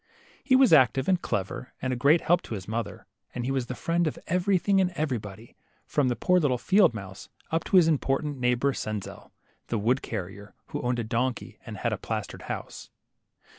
He was active and clever, and a great help to his mother, and he was the friend of everything and everybody, from the poor little field mouse up to his important neighbor, Senzel, the wood carrier, who owned a donkey and had a plastered house.